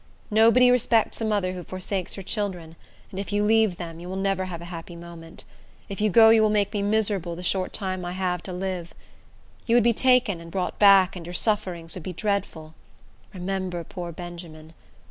Nobody respects a mother who forsakes her children; and if you leave them, you will never have a happy moment. If you go, you will make me miserable the short time I have to live. You would be taken and brought back, and your sufferings would be dreadful. Remember poor Benjamin.